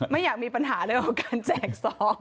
ไม่อยากมีปัญหาเลยกับการแจกซอง